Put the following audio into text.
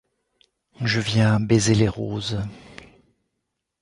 Je viens baiser les roses